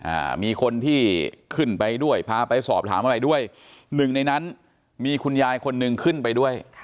อ่ามีคนที่ขึ้นไปด้วยพาไปสอบถามอะไรด้วยหนึ่งในนั้นมีคุณยายคนหนึ่งขึ้นไปด้วยค่ะ